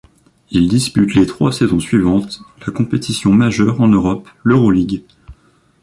Il dispute les trois saisons suivantes la compétition majeure en Europe, l'Euroligue.